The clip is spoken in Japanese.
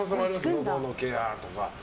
のどのケアとか。